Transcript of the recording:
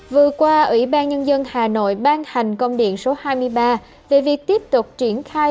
vừa qua ủy ban nhân dân hà nội ban hành công điện số hai mươi ba về việc tiếp tục triển khai